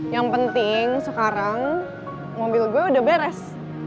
yang penting sekarang mobil gue udah beres